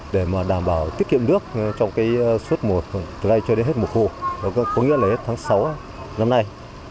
để đảm bảo tiết kiệm nước trong suốt một từ nay cho đến hết một hồ có nghĩa là hết tháng sáu năm nay